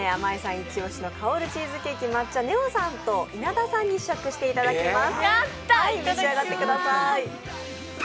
イチ押しの香るチーズケーキ、ねおさんと稲田さんに試食していただきます。